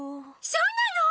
そうなの！？